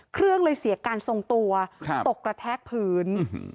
เครื่องเลยเสียการทรงตัวตกกระแทกพื้น